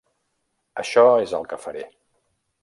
Això és el que faré.